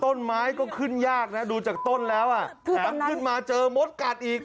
ต้นไม้ก็ขึ้นยากนะดูจากต้นแล้วอ่ะแถมขึ้นมาเจอมดกัดอีก